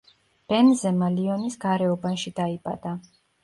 ბენზემა ლიონის გარეუბანში დაიბადა.